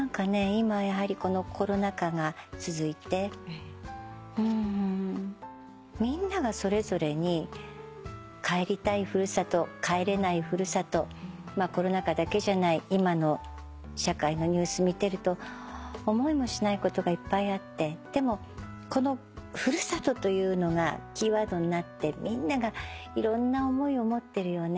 今やはりこのコロナ禍が続いてみんながそれぞれに帰りたい古里帰れない古里コロナ禍だけじゃない今の社会のニュース見てると思いもしないことがいっぱいあってでもこの古里というのがキーワードになってみんながいろんな思いを持ってるよねって。